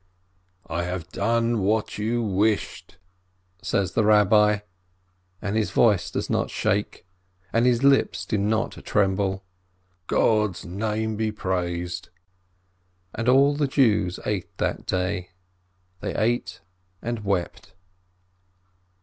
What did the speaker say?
"I have done what you wished," says the Rabbi, and his voice does not shake, and his lips do not tremble. "God's Name be praised!" And all the Jews ate that day, they ate and wept.